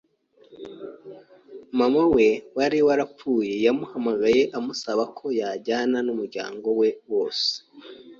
Maman we wari warapfuye yaramuhamagaye amusaba ko yajyana n’ umuryango we wose